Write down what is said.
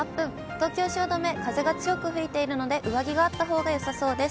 東京・汐留、風が強く吹いているので、上着があったほうがよさそうです。